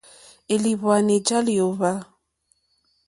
Élìhwwànì já lyǒhwá.